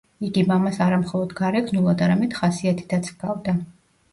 იგი მამას არამხოლოდ გარეგნულად, არამედ ხასიათითაც ჰგავდა.